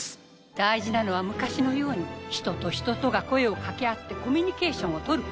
大事なのは昔のように人と人とが声を掛け合ってコミュニケーションをとること。